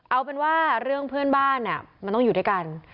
เอาเป็นว่าเรื่องเพื่อนบ้านมันต้องอยู่ด้วยกัน